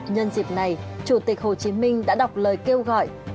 nhân dịp này chủ tịch hồ chí minh đã đọc lời kêu gọi